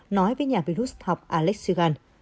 nói với nhà virus học alex sigan